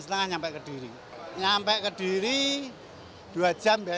kalau tidak lewat tol